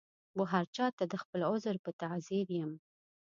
وهرچا ته د خپل عذر په تعذیر یم